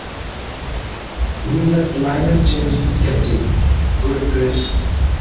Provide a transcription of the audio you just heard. He is a climate change sceptic. Good grief!